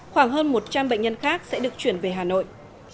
khoảng hơn một trăm linh bệnh nhân khác sẽ được chuyển về hà nội